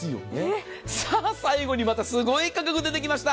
最後にまたすごい価格出てきました。